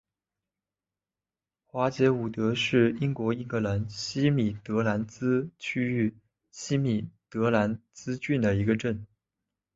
华捷伍德是英国英格兰西米德兰兹区域西米德兰兹郡的一个镇。